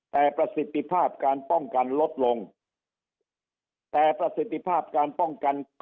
แต่ประสิทธิภาพการป้องกันลดลงแต่ประสิทธิภาพการป้องกัน